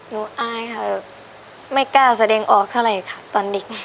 อายค่ะไม่กล้าแสดงออกเท่าไหร่ค่ะตอนเด็ก